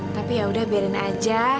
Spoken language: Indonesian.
tapi yaudah biarin aja